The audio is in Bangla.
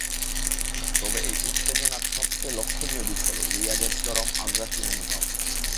তবে এই উত্তেজনার সবচেয়ে লক্ষণীয় দিক হলো রিয়াদের চরম আগ্রাসী মনোভাব।